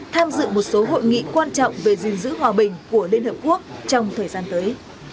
tham dự một số hội nghị quan trọng về gìn giữ hòa bình của liên hợp quốc trong thời gian tới